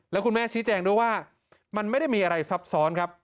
แล้วคุณแม่ชี้แจงด้วยว่ามันไม่ได้มีอะไรซับซ้อนครับ